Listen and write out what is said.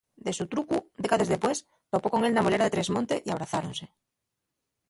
De sutrucu, décades depués, topó con él na bolera de Tresmonte y abrazáronse.